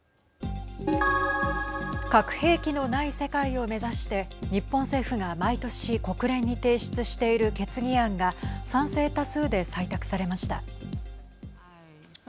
核兵器のない世界を目指して日本政府が毎年国連に提出している決議案が賛成多数で採択されました。